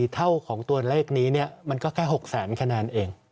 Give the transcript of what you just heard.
เท่าของตัวเลขนี้มันก็แค่๖แสนคะแนนเอง